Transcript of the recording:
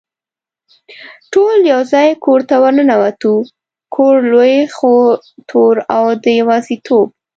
ټول یو ځای کور ته ور ننوتو، کور لوی خو تور او د یوازېتوب.